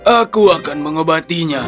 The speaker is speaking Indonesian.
aku akan mengobatinya